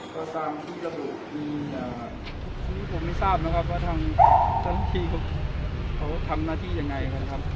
ตอนนี้ผมไม่ทราบนะครับว่าทั้งที่เขาทำหน้าที่ยังไงครับครับ